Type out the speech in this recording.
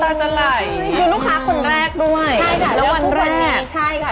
ตายแล้วน้องตาจะไหล